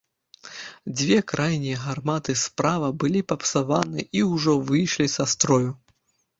Дзве крайнія гарматы справа былі папсаваны і ўжо выйшлі са строю.